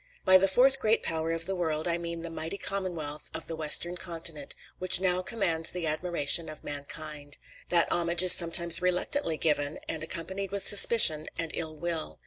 By the fourth great power of the world I mean the mighty commonwealth of the western continent, which now commands the admiration of mankind. That homage is sometimes reluctantly given, and accompanied with suspicion and ill will.